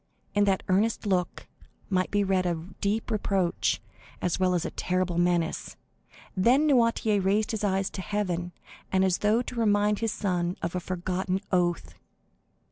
In that earnest look might be read a deep reproach, as well as a terrible menace. Then Noirtier raised his eyes to heaven, as though to remind his son of a forgotten oath.